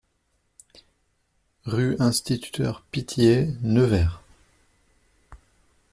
Rue Instituteur Pittié, Nevers